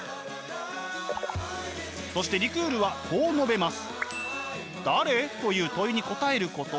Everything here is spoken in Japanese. そしてリクールはこう述べます。